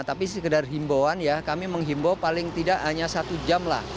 tapi sekedar himbauan ya kami menghimbau paling tidak hanya satu jam lah